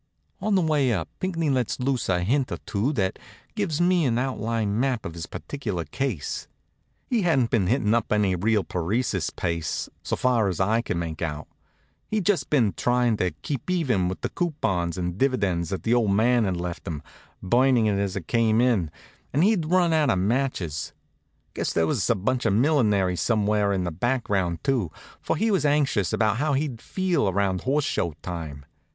On the way up Pinckney lets loose a hint or two that gives me an outline map of his particular case. He hadn't been hittin' up any real paresis pace, so far as I could make out. He'd just been trying to keep even with the coupons and dividends that the old man had left him, burnin' it as it came in, and he'd run out of matches. Guess there was a bunch of millinery somewhere in the background too, for he was anxious about how he'd feel around Horse Show time.